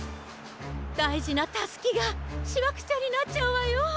だいじなタスキがしわくちゃになっちゃうわよ。